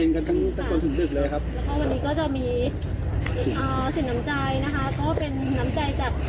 ๑แสนนิกกันให้พี่ทมนะเป็นของรางวัลนะคะ